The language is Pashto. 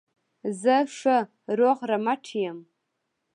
زه ښه روغ رمټ یم.